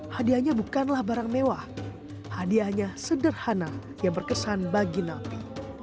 hadiahnya bukanlah barang mewah hadiahnya sederhana yang berkesan bagi nabi